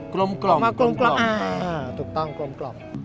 ลมมากลมอ่าถูกต้องกลมกล่อม